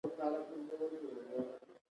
که کارګر خواړه ونه خوري او اوبه ونه څښي